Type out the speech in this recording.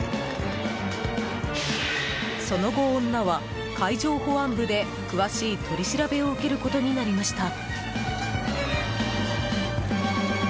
その後、女は海上保安部で詳しい取り調べを受けることになりました。